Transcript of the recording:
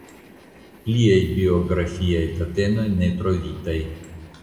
Pliaj biografiaj datenoj ne trovitaj.